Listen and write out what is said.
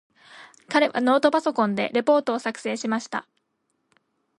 彼はノートパソコンでレポートを作成しました。